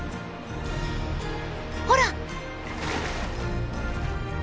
ほら！